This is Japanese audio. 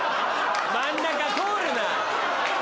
真ん中通るな！